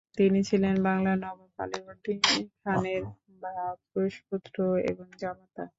তিনি ছিলেন বাংলার নবাব আলীবর্দী খানের ভ্রাতুষ্পুত্র এবং জামাতা।